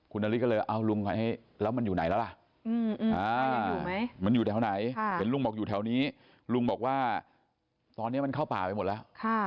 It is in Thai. คุณนาริสก็เลยเอาลุงแล้วมันอยู่ไหนแล้วล่ะมันอยู่แถวไหนเห็นลุงบอกอยู่แถวนี้ลุงบอกว่าตอนนี้มันเข้าป่าไปหมดแล้ว